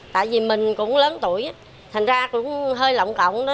tại vì mình cũng lớn tuổi thành ra cũng hơi lỏng cộng